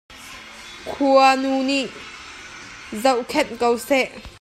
Khuanu nih in zohkhenh ko seh.